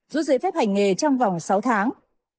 dưới giới phép hành nghề trong vòng sáu tháng